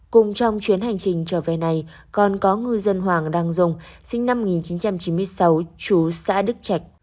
cùng trong chuyến hành trình trở về này còn có ngư dân hoàng đăng dung sinh năm một nghìn chín trăm chín mươi sáu chú xã đức trạch